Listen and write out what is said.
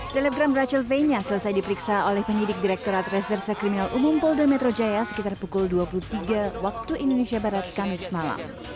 selebgram rachel faye nya selesai diperiksa oleh penyidik direkturat reserse kriminal umum polda metro jaya sekitar pukul dua puluh tiga waktu indonesia barat kamis malam